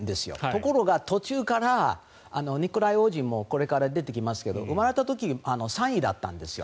ところが、途中からニコライ王子もこれから出てきますが生まれた時に３位だったんです。